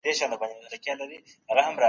نو په دقت سره مطالعه پیل کړئ.